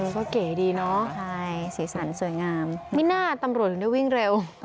ก็เก๋ดีเนอะใช่สีสันสวยงามไม่น่าตำรวจถึงได้วิ่งเร็ว